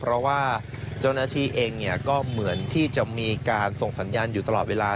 เพราะว่าเจ้าหน้าที่เองก็เหมือนที่จะมีการส่งสัญญาณอยู่ตลอดเวลา